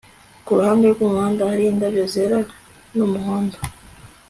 kuruhande rwumuhanda hari indabyo zera numuhondo